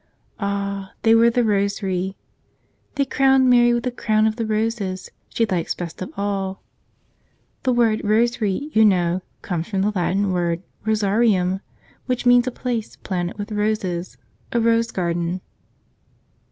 Ah, they were the rosary. They crowned Mary with a crown of the roses she likes best of all. The word "rosary," you know, comes from the Latin word "rosarium," which means a place planted with roses, a rose garden.